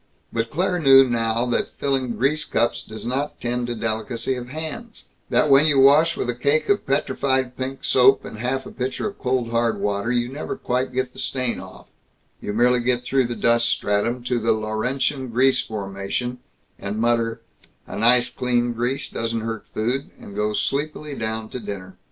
But Claire knew now that filling grease cups does not tend to delicacy of hands; that when you wash with a cake of petrified pink soap and half a pitcher of cold hard water, you never quite get the stain off you merely get through the dust stratum to the Laurentian grease formation, and mutter, "a nice clean grease doesn't hurt food," and go sleepily down to dinner.